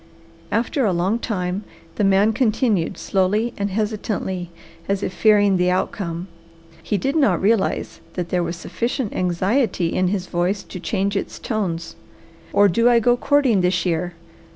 After a long time the man continued slowly and hesitantly, as if fearing the outcome. He did not realize that there was sufficient anxiety in his voice to change its tones. "Or do I go courting this year?